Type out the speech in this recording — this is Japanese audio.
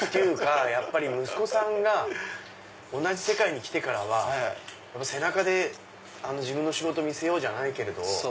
やっぱり息子さんが同じ世界に来てからは背中で自分の仕事見せようじゃないけれど。